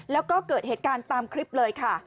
แล้วก็เกิดเหตุการณ์ตามคลิปเลยค่ะ